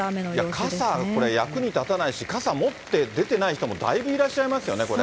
傘これ、役に立たないし、傘持って出てない人もだいぶいらっしゃいますよね、これ。